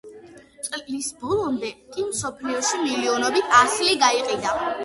წლის ბოლომდე კი მსოფლიოში მილიონობით ასლი გაიყიდა.